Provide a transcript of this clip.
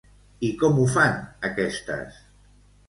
I com ho fan aquestes?